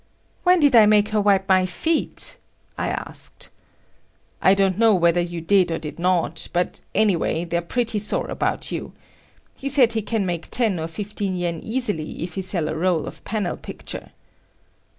"When did I make her wipe my feet?" I asked. "I don't know whether you did or did not, but anyway they're pretty sore about you. He said he can make ten or fifteen yen easily if he sell a roll of panel picture."